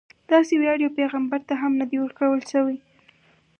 داسې ویاړ یو پیغمبر ته هم نه دی ورکړل شوی.